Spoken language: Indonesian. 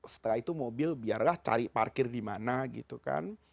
setelah itu mobil biarlah cari parkir dimana gitu kan